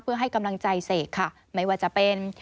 เพื่อให้กำลังใจเสกค่ะไม่ว่าจะเป็น